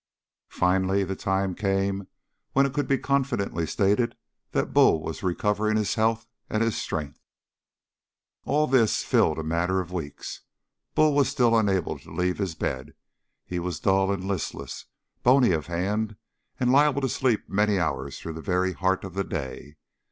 Finally the time came when it could be confidently stated that Bull was recovering his health and his strength. All this filled a matter of weeks. Bull was still unable to leave his bed. He was dull and listless, bony of hand, and liable to sleep many hours through the very heart of the day.